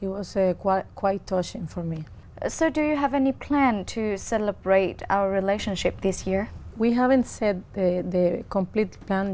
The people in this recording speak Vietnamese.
và ở quan chi tôi đã gặp nhiều chỗ lý doanh nghiệp